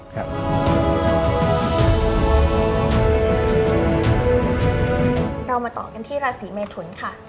เรามาต่อกันที่ราศีเมทุนค่ะ